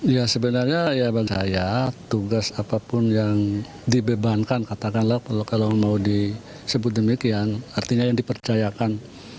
ya sebenarnya ya bagi saya tugas apapun yang dibebankan katakanlah kalau mau disebut demikian artinya yang dipercayakan